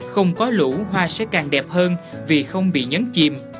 không có lũ hoa sẽ càng đẹp hơn vì không bị nhấn chìm